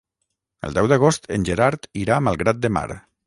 El deu d'agost en Gerard irà a Malgrat de Mar.